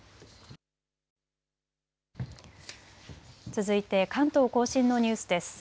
続いて関東甲信のニュースです。